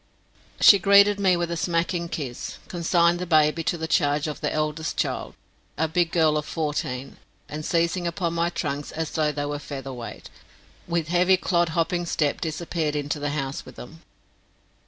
She greeted me with a smacking kiss, consigned the baby to the charge of the eldest child, a big girl of fourteen, and seizing upon my trunks as though they were feather weight, with heavy clodhopping step disappeared into the house with them.